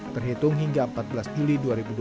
terhitung hingga empat belas juli dua ribu dua puluh